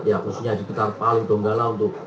ya khususnya di sekitar palu donggala untuk